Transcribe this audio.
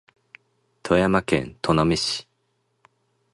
富山県砺波市